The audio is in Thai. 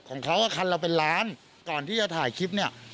ของเขาคันเราเป็นล้านก่อนที่จะถ่ายคลิปเนี่ย